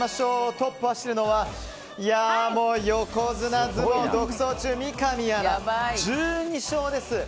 トップを走るのは横綱相撲独走中、三上アナ１２勝です。